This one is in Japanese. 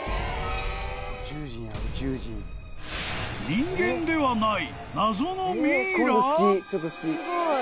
［人間ではない］